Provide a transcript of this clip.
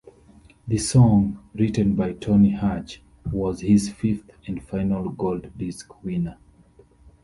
The song, written by Tony Hatch, was his fifth and final gold disc winner.